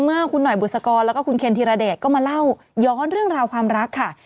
เมื่อคุณหน่อยบุษกรแล้วก็คุณเคนธีรเดชก็มาเล่าย้อนเรื่องราวความรักค่ะ